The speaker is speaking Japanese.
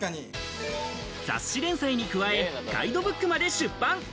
雑誌連載に加え、ガイドブックまで出版。